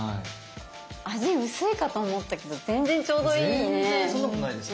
味薄いかと思ったけど全然ちょうどいいね。